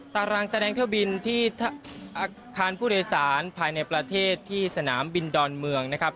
ตารางแสดงเที่ยวบินที่อาคารผู้โดยสารภายในประเทศที่สนามบินดอนเมืองนะครับ